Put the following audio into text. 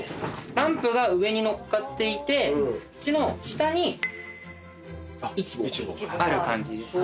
ランプが上に乗っかっていてこっちの下にイチボがある感じです。